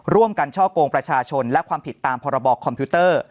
ร่วมกันช่อกงประชาชนและความผิดตามพรบคอมพิวเตอร์